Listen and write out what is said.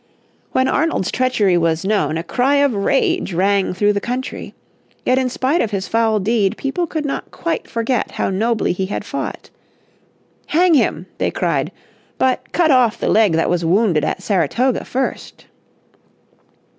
When Arnold's treachery was known a cry of rage rang through the country. Yet in spite of his foul deed people could not quite forget how nobly he had fought. "Hang him," they cried, "but cut off the leg that was wounded at Saratoga first!"